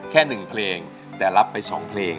แค่๑เพลงแต่รับไป๒เพลง